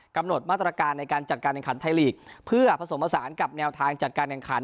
กำหนดมาตรการในการจัดการแข่งขันไทยลีกเพื่อผสมผสานกับแนวทางจัดการแห่งขัน